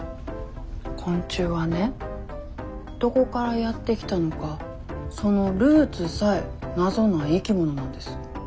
昆虫はねどこからやって来たのかそのルーツさえ謎な生き物なんです。